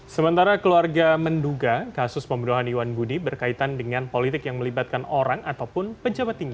sementara keluarga menduga kasus pembunuhan iwan budi berkaitan dengan politik yang melibatkan orang ataupun pejabat tinggi